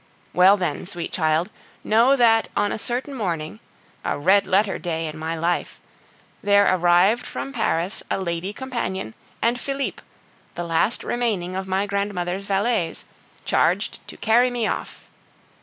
Well, then, sweet child, know that on a certain morning a red letter day in my life there arrived from Paris a lady companion and Philippe, the last remaining of my grandmother's valets, charged to carry me off.